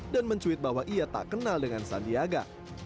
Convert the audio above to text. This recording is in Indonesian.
dan mencuit bahwa ia tak kenal dengan sandiaga